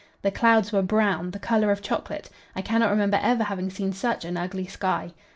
The clouds were brown, the colour of chocolate; I cannot remember ever having seen such an ugly sky.